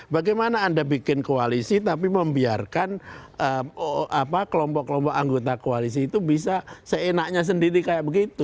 bagaimana anda bikin koalisi tapi membiarkan kelompok kelompok anggota koalisi itu bisa seenaknya sendiri kayak begitu